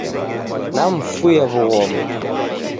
Namfuya wughoma.